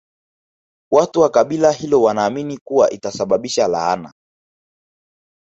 Watu wa kabila hilo wanaamini kuwa itasababisha laana